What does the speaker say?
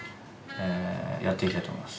えやっていきたいと思います。